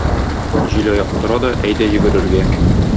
Җилаяк тора да әйдә йөгерергә.